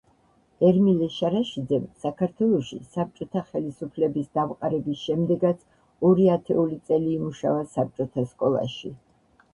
ერმილე შარაშიძემ საქართველოში საბჭოთა ხელისუფლების დამყარების შემდეგაც ორი ათეული წელი იმუშავა საბჭოთა სკოლაში.